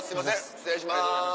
失礼します。